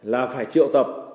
là phải triệu tập